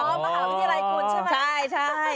มหาวิทยาลัยคุณใช่ไหม